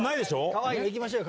かわいいのいきましょう。